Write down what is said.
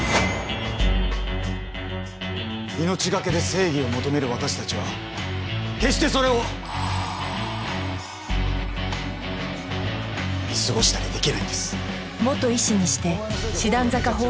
命懸けで正義を求める私たちは決してそれを見過ごしたりできないんです。